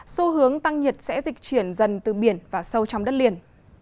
số hướng tăng nhiệt sẽ dịch chuyển dần từ biển vào sâu trong đất liền